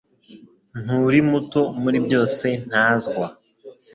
Nturi muto muri byose Ntazwa